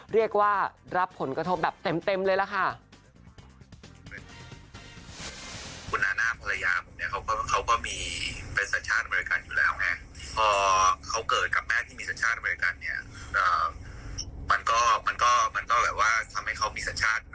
ได้รับผลกระทบแบบเต็มเลยล่ะค่ะ